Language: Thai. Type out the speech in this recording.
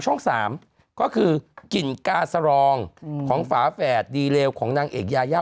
ช่อง๓ก็คือกลิ่นกาสรองของฝาแฝดดีเลวของนางเอกยายา